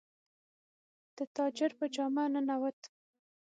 د تاجر په جامه ننووت.